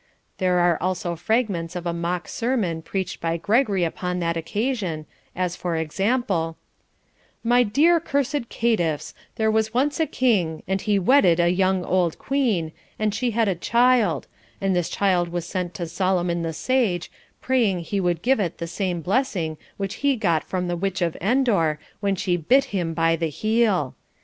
There are also fragments of a mock sermon preached by Gregory upon that occasion, as for example: 'My dear cursed caitiffs, there was once a king, and he wedded a young old queen, and she had a child; and this child was sent to Solomon the Sage, praying he would give it the same blessing which he got from the witch of Endor when she bit him by the heel.